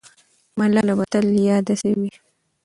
ملاله به تل یاده سوې وي.